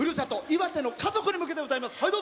岩手の家族に向けて歌います。